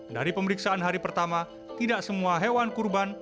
dari pemeriksaan hari pertama tidak semua hewan kurban